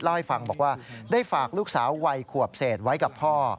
เล่าให้ฟังบอกว่าได้ฝากลูกสาววัยขวบเศษไว้กับพ่อ